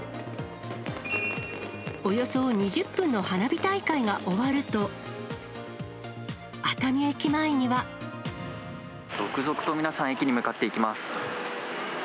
およそ２０分の花火大会が終わると、熱海駅前には。続々と皆さん、駅に向かっていきます。